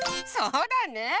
そうだね。